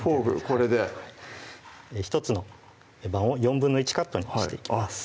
これで１つのパンを１／４カットにしていきます